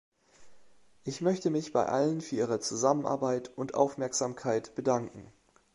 Ich möchte mich bei allen für ihre Zusammenarbeit und Aufmerksamkeit bedanken.